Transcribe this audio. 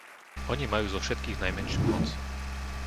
Oni majú zo všetkých najmenšiu moc.